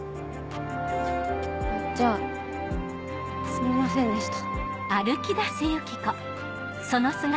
じゃあすみませんでした。